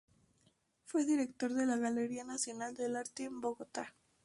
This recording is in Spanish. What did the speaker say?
Fue Director de la Galería Nacional del Arte en Bogotá.